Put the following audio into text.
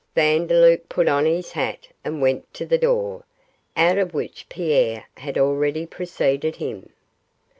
Vandeloup put on his hat and went to the door, out of which Pierre had already preceded him.